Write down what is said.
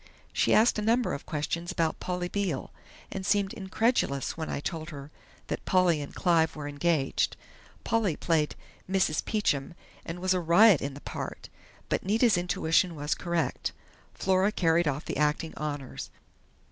She asked a number of questions about Polly Beale, and seemed incredulous when I told her that Polly and Clive were engaged. Polly played 'Mrs. Peachum', and was a riot in the part.... But Nita's intuition was correct. Flora carried off the acting honors....